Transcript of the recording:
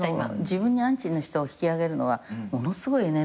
自分にアンチの人を引きあげるのはものすごいエネルギーだから。